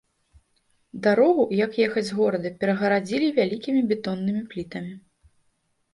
Дарогу, як ехаць з горада, перагарадзілі вялікімі бетоннымі плітамі.